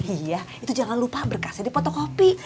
iya itu jangan lupa berkasnya di fotokopi